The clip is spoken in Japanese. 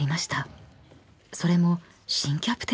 ［それも新キャプテンとして］